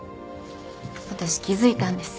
私気付いたんです。